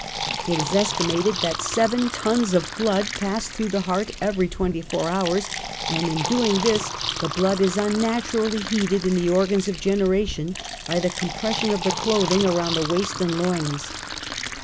It is estimated that seven f tons of blood pass through the heart every twenty four hours, and in doing this the blood is unnaturally ^ t heated in the organs of generation by the compression \ of the clothing around the waist and loins.